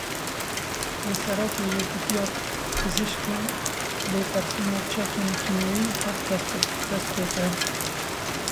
Li Seroka Yekîtiya Pizîşkan lêpirsîna çekên kîmyewî hat destpêkirin.